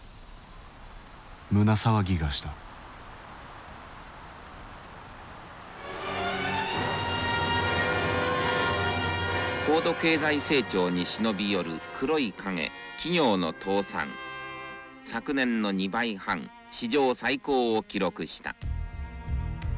胸騒ぎがした「高度経済成長に忍び寄る黒い影企業の倒産昨年の２倍半史上最高を記録した」。